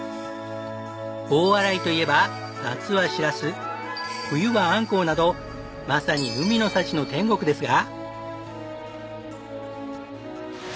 大洗といえば夏はしらす冬はあんこうなどまさに海の幸の天国ですが。